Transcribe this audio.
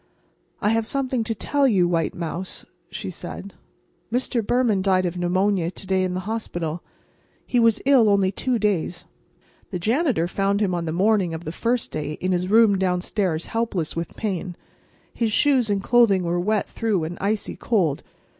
"I have something to tell you, white mouse," she said. "Mr. Behrman died of pneumonia to day in the hospital. He was ill only two days. The janitor found him on the morning of the first day in his room downstairs helpless with pain. His shoes and clothing were wet through and icy cold.